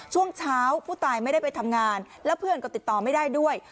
ช่วงเช้าผู้ตายไม่ได้ไปทำงานแล้วเพื่อนก็ติดต่อไม่ได้ด้วย